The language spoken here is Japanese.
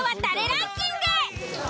ランキング。